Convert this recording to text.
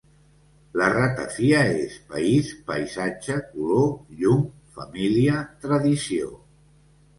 La ratafia és país, paisatge, color, llum, família, tradició.